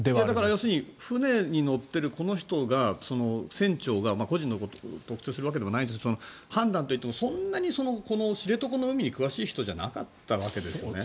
要するに船に乗っているこの人が船長が、個人の特定をするわけでもないんですが判断をするといってもそんなに知床の海に詳しい人ではなかったんですね。